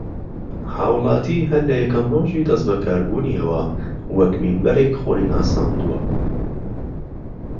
ھاوڵاتی ھەر لە یەکەم رۆژی دەستبەکاربوونیەوە وەک مینبەرێک خۆی ناساندووە